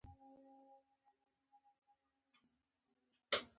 عصري تعلیم مهم دی ځکه چې د ګیم ډیزاین پوهاوی ورکوي.